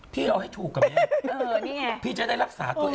พี่เอาให้ถูกกับแม่พี่จะได้รักษาตัวเอง